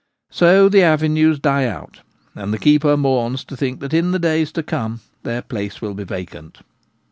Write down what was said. So the avenues die out, and the keeper mourns to think that in the days to come their place will be vacant.